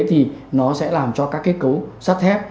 thì nó sẽ làm cho các kết cấu sắt thép